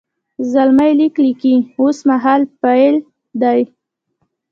زلمی لیک لیکي اوس مهال فعل دی.